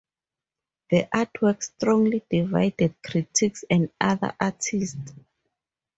The artwork strongly divided critics and other artists.